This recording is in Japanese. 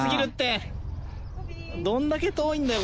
どんだけ遠いんだよ